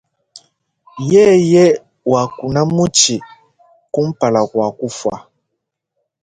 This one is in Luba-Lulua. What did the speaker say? Yeye wakuna mutshi kumpala kua kufua.